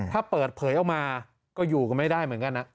ถ้าเปิดเผยออกมาก็อยู่กันไม่ได้เหมือนกันนะ